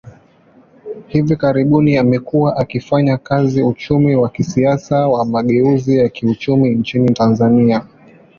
Hivi karibuni, amekuwa akifanya kazi uchumi wa kisiasa wa mageuzi ya kiuchumi nchini Tanzania.